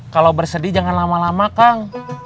kalau bersedih jangan lama lama kang